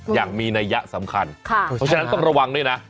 อย่างมีนัยยะสำคัญเพราะฉะนั้นต้องระวังด้วยนะ